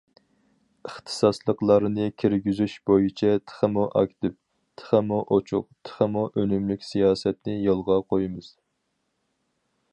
ئىختىساسلىقلارنى كىرگۈزۈش بويىچە تېخىمۇ ئاكتىپ، تېخىمۇ ئوچۇق، تېخىمۇ ئۈنۈملۈك سىياسەتنى يولغا قويىمىز.